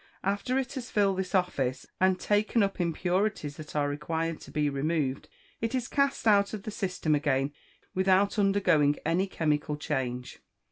After it has filled this office, and taken up impurities that are required to be removed, it is cast out of the system again, without undergoing any chemical change.